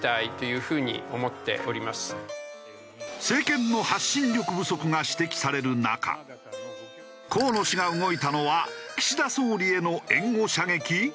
政権の発信力不足が指摘される中河野氏が動いたのは岸田総理への援護射撃？